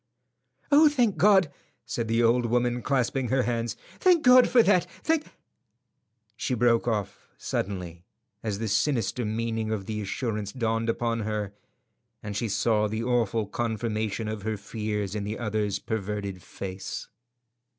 "Oh, thank God!" said the old woman, clasping her hands. "Thank God for that! Thank—" She broke off suddenly as the sinister meaning of the assurance dawned upon her and she saw the awful confirmation of her fears in the other's averted face.